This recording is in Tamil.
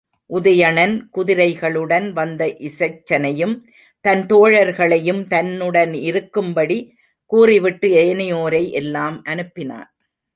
உதயணன் குதிரைகளுடன் வந்த இசைச்சனையும் தன் தோழர்களையும் தன்னுடனிருக்கும்படி கூறிவிட்டு ஏனையோரை எல்லாம் அனுப்பினான்.